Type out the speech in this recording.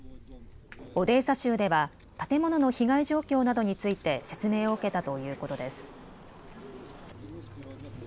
オデーサ州では建物の被害状況などについて説明を受けたということです。